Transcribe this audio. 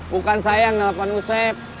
bukan saya yang nelfon usep